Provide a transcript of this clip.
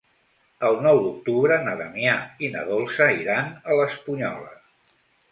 El nou d'octubre na Damià i na Dolça iran a l'Espunyola.